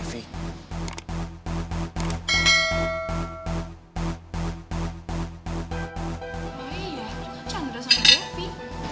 oh iya chandra sama devi